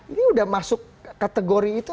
ini sudah masuk kategori itu